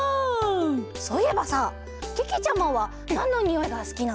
そういえばさけけちゃまはなんのにおいがすきなの？